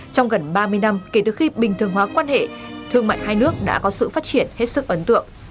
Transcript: trong gần ba mươi năm kể từ khi bình thường hóa quan hệ thương mại hai nước đã có sự phát triển hết sức ấn tượng